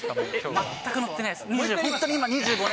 全く乗ってないですね。